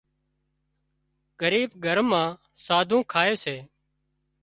ڳريٻ گھر مان ساڌُون کائي سي